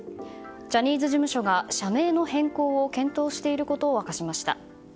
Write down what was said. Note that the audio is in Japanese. ジャニーズ事務所が社名の変更を検討していることを明かしました。